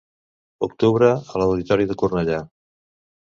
Octubre a l'Auditori de Cornellà.